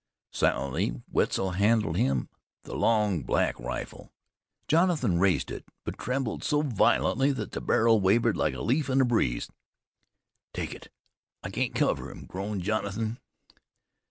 Silently Wetzel handed him the long, black rifle. Jonathan raised it, but trembled so violently that the barrel wavered like a leaf in the breeze. "Take it, I can't cover him," groaned Jonathan.